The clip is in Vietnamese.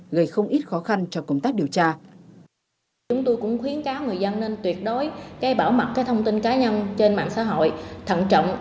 gây không ít khó khăn cho công tác điều tra